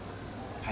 はい。